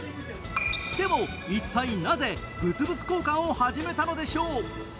でも、一体なぜ物々交換を始めたのでしょう。